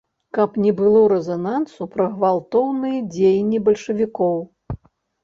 Каб не было рэзанансу пра гвалтоўныя дзеянні бальшавікоў.